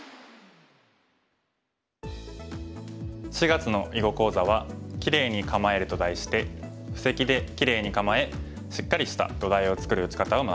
４月の囲碁講座は「キレイに構える」と題して布石でキレイに構えしっかりした土台を作る打ち方を学びます。